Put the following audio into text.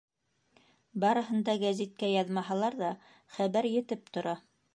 Барыһын да гәзиткә яҙмаһалар ҙа, хәбәр етеп тора.